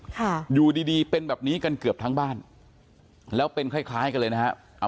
ค่ะอยู่ดีดีเป็นแบบนี้กันเกือบทั้งบ้านแล้วเป็นคล้ายคล้ายกันเลยนะฮะ